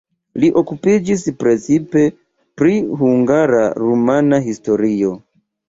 Li okupiĝis precipe pri hungara-rumana historio.